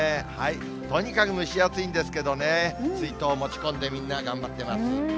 とにかく蒸し暑いんですけどね、水筒を持ち込んで、みんな、頑張ってます。